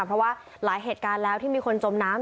เพราะว่าหลายเหตุการณ์แล้วที่มีคนจมน้ำ